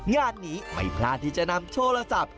งานนี้ไม่พลาดที่จะนำโทรศัพท์